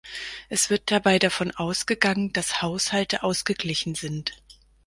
Es wird dabei davon ausgegangen, dass Haushalte ausgeglichen sind.